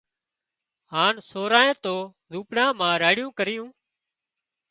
هانَ سورانئين تو زوپڙا مان راڙيون ڪريون